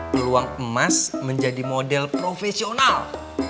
peluang emas menjadi model profesional